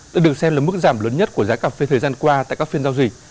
đây được xem là mức giảm lớn nhất của giá cà phê thời gian qua tại các phiên giao dịch